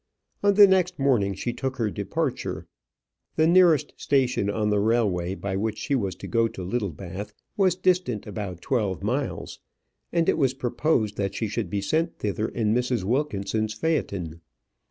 On the next morning she took her departure. The nearest station on the railway by which she was to go to Littlebath was distant about twelve miles, and it was proposed that she should be sent thither in Mrs. Wilkinson's phaëton.